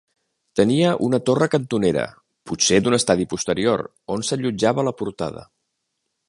Tenia una torre cantonera, potser d'un estadi posterior, on s'allotjava la portada.